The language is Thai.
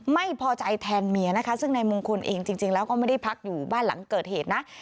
ไม่พอใจแทนเมียนะคะซึ่งนายมงคลเองจริงแล้วก็ไม่ได้พักอยู่บ้านหลังเกิดเหตุนะ